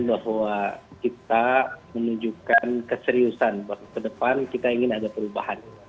bahwa kita menunjukkan keseriusan bahwa ke depan kita ingin ada perubahan